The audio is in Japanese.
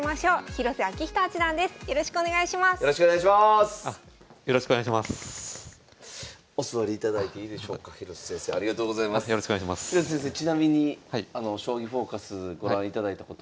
広瀬先生ちなみに「将棋フォーカス」ご覧いただいたことは？